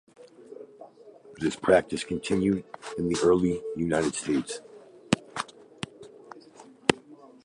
This practice continued in the early United States.